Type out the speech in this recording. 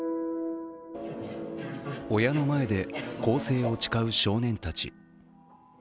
親の前で更生を誓う少年たち。